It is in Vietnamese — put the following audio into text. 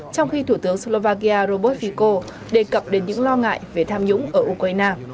trong khi thủ tướng slovakia robert fico đề cập đến những lo ngại về tham nhũng ở ukraine